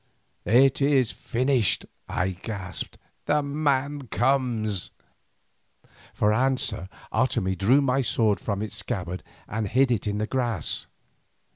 "It is finished," I gasped; "the man comes." For answer Otomie drew my sword from its scabbard and hid it in the grass.